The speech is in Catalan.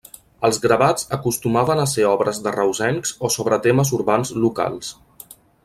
Els gravats acostumaven a ser obres de reusencs o sobre temes urbans locals.